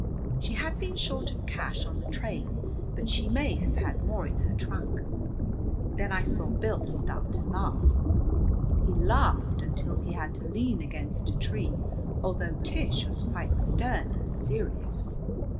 She had been short of cash on the train, but she may have had more in her trunk. Then I saw Bill start to laugh. He laughed until he had to lean against a tree, although Tish was quite stern and serious.